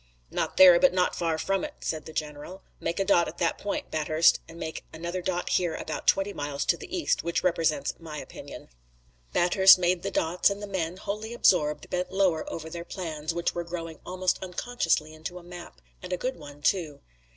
"Not there, but not far from it," said the general. "Make a dot at that point, Bathurst, and make another dot here about twenty miles to the east, which represents my opinion." Bathurst made the dots and the men, wholly absorbed, bent lower over their plans, which were growing almost unconsciously into a map, and a good one too.